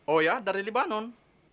oh ya dari libanon